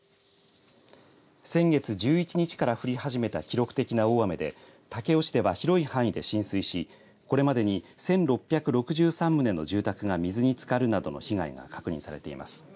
先月１１日から降り始めた記録的な大雨で武雄市では広い範囲で浸水しこれまでに１６６３棟の住宅が水につかるなどの被害が確認されています。